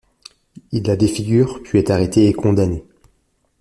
Il la défigure, puis est arrêté et condamné.